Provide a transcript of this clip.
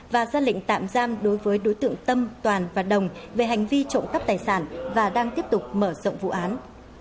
và ra lệnh tạm giam đối với đối tượng tâm toàn và đồng về hành vi trộm cắp tài sản và đang tiếp tục mở rộng vụ án